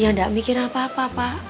ya tidak mikir apa apa pak